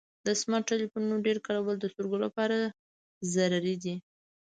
د سمارټ ټلیفون ډیر کارول د سترګو لپاره ضرري دی.